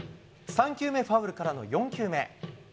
３球目ファウルからの４球目。